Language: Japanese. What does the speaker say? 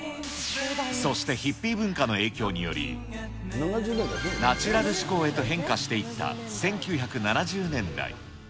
そしてヒッピー文化の影響により、ナチュラル志向へと変化していった１９７０年代。